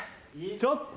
ちょっと。